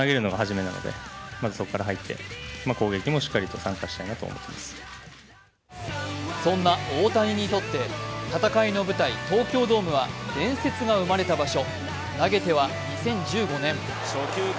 指揮官の思いに大谷はそんな大谷にとって戦いの舞台・東京ドームは伝説が生まれた場所。